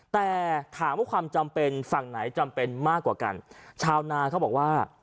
แต่ถามว่าความจำเป็นฝั่งไหนจำเป็นมากกว่ากันชาวนาเขาบอกว่า